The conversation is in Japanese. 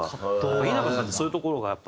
稲葉さんってそういうところがやっぱ。